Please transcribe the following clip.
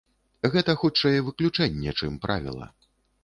Гэта хутчэй выключэнне, чым правіла.